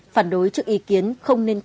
phản đối trước ý kiến không nên kết thúc